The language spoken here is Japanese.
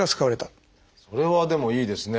それはでもいいですね。